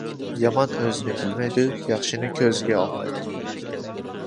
يامان ئۆزىنى بىلمەيدۇ، ياخشىنى كۆزىگە ئىلمايدۇ.